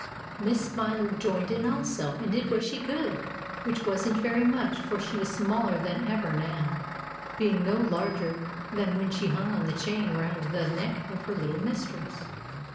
Miss Smiler joined in also, and did what she could, which wasn't very much, for she was smaller than ever now, being no larger than when she hung on the chain round the neck of her little mistress.